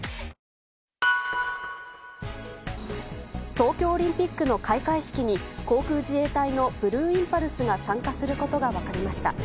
東京オリンピックの開会式に航空自衛隊のブルーインパルスが参加することが分かりました。